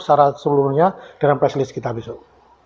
secara seluruhnya dengan press list kita besok